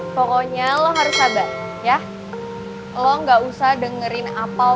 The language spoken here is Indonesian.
perhatian sama perasaan kamu